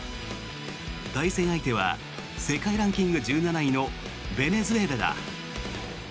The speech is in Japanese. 対戦相手は世界ランキング１７位のベネズエラだ。